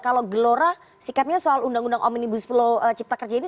kalau gelora sikapnya soal undang undang omnibus law cipta kerja ini